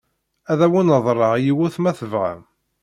Ad awen-reḍleɣ yiwet ma tebɣam.